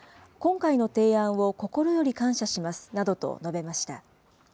今回の提案を心より感謝しますなどと述べました。